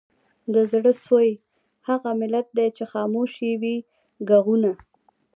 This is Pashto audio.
د زړه سوي هغه ملت دی چي خاموش یې وي ږغونه